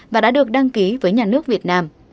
và đã được đăng ký với nhà nước việt nam